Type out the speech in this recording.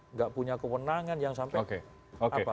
enggak punya kewenangan yang sampai